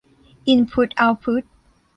อินพุตเอาต์พุต